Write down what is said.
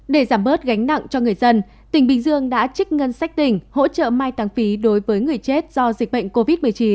để giảm bớt gánh nặng cho người dân tỉnh bình dương đã trích ngân sách tỉnh hỗ trợ mai tăng phí đối với người chết do dịch bệnh covid một mươi chín